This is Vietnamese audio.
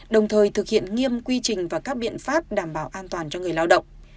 đồng thời thực hiện nghiêm quy trình và các biện pháp đảm bảo an toàn cho người lao động